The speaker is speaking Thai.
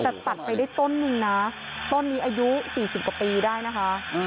แต่ตัดไปได้ต้นนึงนะต้นนี้อายุ๔๐กว่าปีได้นะคะ